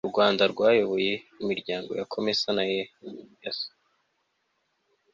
u rwanda rwayoboye imiryango ya comesa na eac